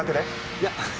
いや。